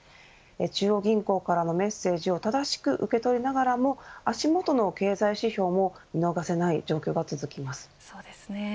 中央銀行からのメッセージを正しく受け取りながらも足元の経済指標も見逃せない状況が続きます。